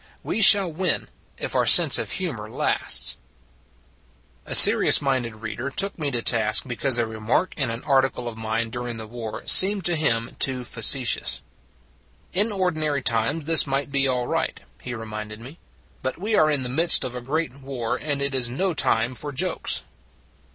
WE SHALL WIN IF OUR SENSE OF HUMOR LASTS A SERIOUS minded reader took me to task because a remark in an article of mine during the war seemed to him too facetious. " In ordinary times this might be all right," he reminded me; "but we are in the midst of a great war, and it is no time for jokes."